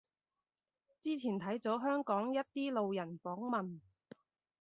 之前睇咗香港一啲路人訪問